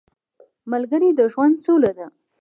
ملګری د ژوند سوله ده